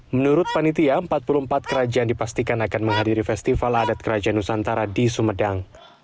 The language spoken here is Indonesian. menurut panitia empat puluh empat kerajaan dipastikan akan menghadiri festival adat kerajaan nusantara di sumedang